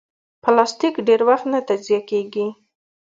پلاستيک ډېر وخت نه تجزیه کېږي.